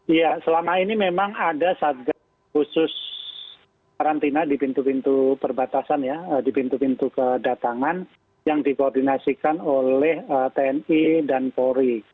iya selama ini memang ada satgas khusus karantina di pintu pintu perbatasan ya di pintu pintu kedatangan yang dikoordinasikan oleh tni dan polri